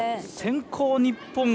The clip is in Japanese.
先攻、日本